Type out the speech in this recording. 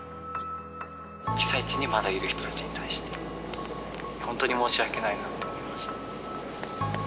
被災地にまだいる人たちに対して、本当に申し訳ないなって思いました。